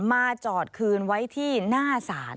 มาจอดคืนไว้ที่หน้าศาล